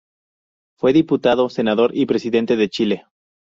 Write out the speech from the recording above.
Fue diputado, senador y presidente de Chile.